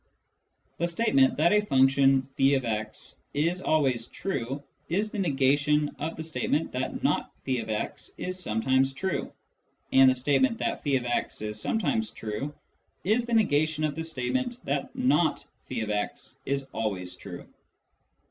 The statement that a function <f>x is always true is the negation of the statement that not ^x is sometimes true, and the state ment that <j>x is sometimes true is the negation of the state ment that not ^x is always true.